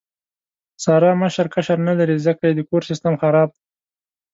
ساره مشر کشر نه لري، ځکه یې د کور سیستم خراب دی.